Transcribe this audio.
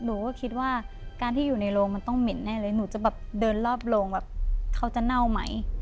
หนูก็คิดว่าการที่อยู่ในโรงมันต้องเหม็นแน่เลยหนูจะแบบเดินรอบโรงแบบเขาจะเน่าไหม